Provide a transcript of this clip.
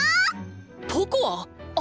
ポコア！